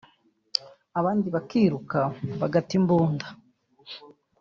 abandi bakiruka bagata imbunda